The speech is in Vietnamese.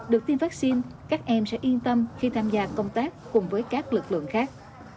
được tiêm vaccine các em sẽ yên tâm khi tham gia công tác cùng với các lực lượng khác